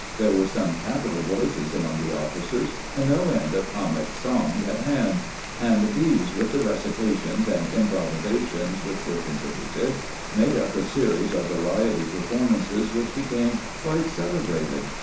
There were some capital voices among the officers, and no end of comic songs at hand ; and these, with the recitations and improvisations which were contributed, made up a series of variety performances which became quite cele brated.